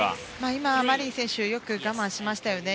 今はマリン選手よく我慢しましたよね。